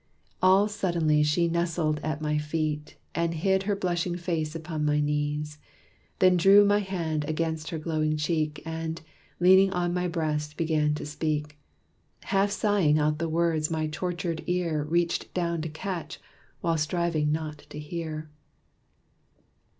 All suddenly she nestled at my feet, And hid her blushing face upon my knees. Then drew my hand against her glowing cheek, And, leaning on my breast, began to speak, Half sighing out the words my tortured ear Reached down to catch, while striving not to hear.